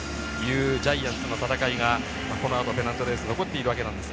ジャイアンツの戦いが、このあとペナントレースが残っています。